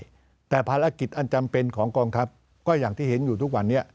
แต่ภารกิจอันจำเป็นของกองทัพก็อย่างที่เห็นอยู่ทุกวันนี้